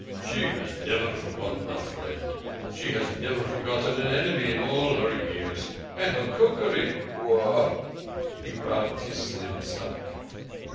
"She has never forgotten a friend: she has never forgotten an enemy in all her years. And her cookery—wah!" He rubbed his slim stomach.